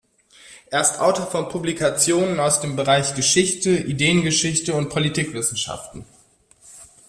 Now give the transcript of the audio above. Er ist Autor von Publikationen aus dem Bereich Geschichte, Ideengeschichte und Politikwissenschaften.